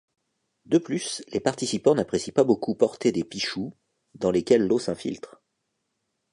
De plus, les participants n'apprécient pas beaucoup porter des pichous, dans lesquels l'eau s'infiltre.